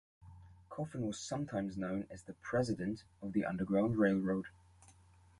Coffin was sometimes known as the "president" of the Underground Railroad.